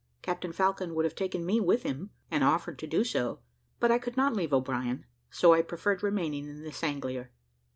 Captain Falcon would have taken me with him, and offered so to do; but I could not leave O'Brien, so I preferred remaining in the Sanglier.